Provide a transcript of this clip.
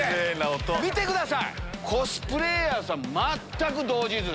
見てくださいコスプレーヤーさん全く動じず。